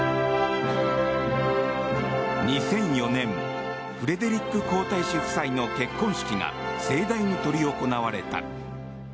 ２００４年フレデリック皇太子夫妻の結婚式が盛大に執り行われた。